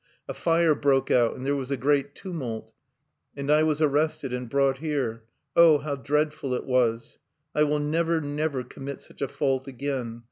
"A fire broke out, and there was a great tumult, and I was arrested and brought here oh! how dreadful it was! "I will never, never commit such a fault again.